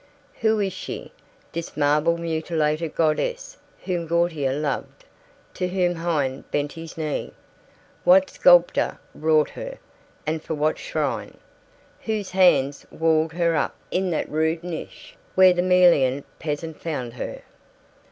Who is she, this marble mutilated goddess whom Gautier loved, to whom Heine bent his knee? What sculptor wrought her, and for what shrine? Whose hands walled her up in that rude niche where the Melian peasant found her?